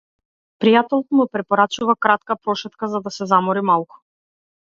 Пријателот му препорачува кратка прошетка, за да се замори малку.